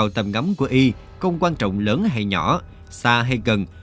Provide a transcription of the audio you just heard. tầm ngắm của y không quan trọng lớn hay nhỏ xa hay cần